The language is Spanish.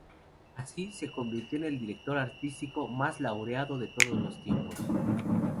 Así, se convirtió en el director artístico más laureado de todos los tiempos.